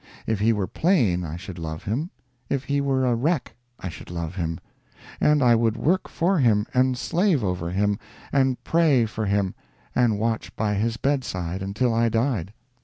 If he were plain, I should love him; if he were a wreck, I should love him; and I would work for him, and slave over him, and pray for him, and watch by his bedside until I died.